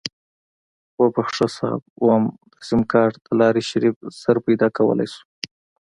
وبښه صيب ويم د سيمکارټ دلارې شريف زر پيدا کولی شو.